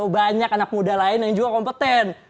banyak anak muda lain yang juga kompeten